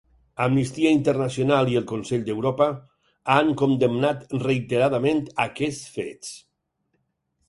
Amnistia Internacional i el Consell d'Europa han condemnat reiteradament aquests fets.